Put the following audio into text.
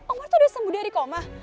om arta udah sembuh dari koma